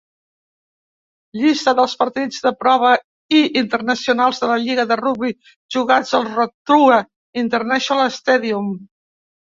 Llista dels partits de prova i internacionals de la lliga de rugbi jugats al Rotorua International Stadium.